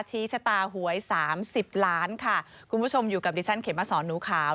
ชี้ชะตาหวยสามสิบล้านค่ะคุณผู้ชมอยู่กับดิฉันเขมมาสอนหนูขาว